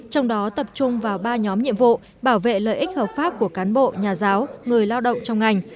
trong đó tập trung vào ba nhóm nhiệm vụ bảo vệ lợi ích hợp pháp của cán bộ nhà giáo người lao động trong ngành